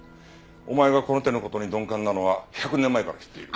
お前がこの手の事に鈍感なのは１００年前から知っている。